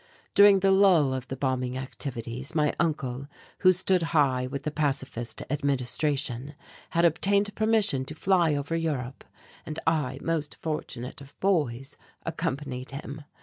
During the lull of the bombing activities my uncle, who stood high with the Pacifist Administration, had obtained permission to fly over Europe, and I, most fortunate of boys, accompanied him.